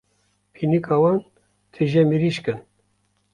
Pînika wan tije mirîşk in.